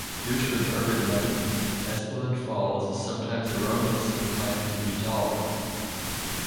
Due to an urban legend, Espeland Falls is sometimes erroneously claimed to be tall.